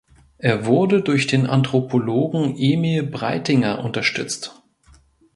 Er wurde durch den Anthropologen Emil Breitinger unterstützt.